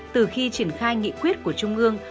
từ khi triển khai nghị quyết của trung ương